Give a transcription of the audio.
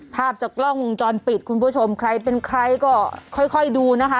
ภาพจากกล้องวงจรปิดคุณผู้ชมใครเป็นใครก็ค่อยค่อยดูนะคะ